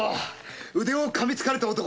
腕をかみつかれた男。